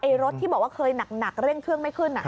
รถที่บอกว่าเคยหนักเร่งเครื่องไม่ขึ้น